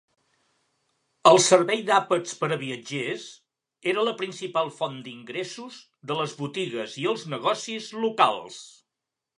El servei d'àpats per a viatgers era la principal font d'ingressos de les botigues i els negocis locals.